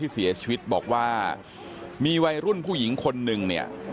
อายุ๑๐ปีนะฮะเขาบอกว่าเขาก็เห็นถูกยิงนะครับ